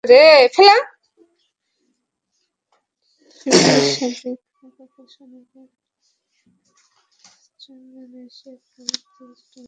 শিবলি সাদিক গতকাল শনিবার চন্দনাইশের বরমা থেকে চট্টগ্রাম প্রেসক্লাব পর্যন্ত হেঁটে যান।